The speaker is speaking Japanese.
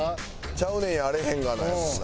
「ちゃうねんやあらへんがな」やもんな。